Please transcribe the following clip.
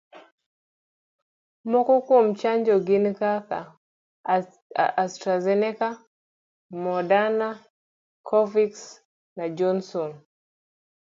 Moko kuom chanjo gin kaka: Astrazeneca, Moderna, Covix na Johnson.